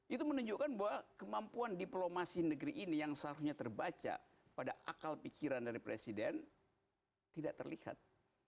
itu menunjukkan bahwa kemampuan diplomasi negeri ini yang seharusnya terbaca pada akal pikiran dari presiden tidak terlihat